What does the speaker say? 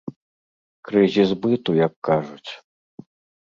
Крызіс быту, як кажуць.